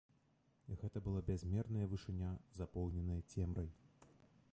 Гэта была бязмерная вышыня, запоўненая цемрай.